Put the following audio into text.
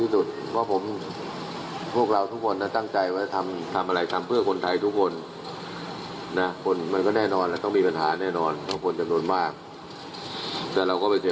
ส่วนคนหลังซ้ายมือของธนยกนี่